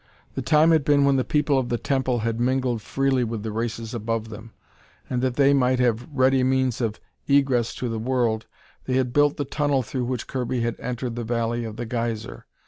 The time had been when the People of the Temple had mingled freely with the races above them; and, that they might have ready means of egress to the world, they had built the tunnel through which Kirby had entered the Valley of the Geyser.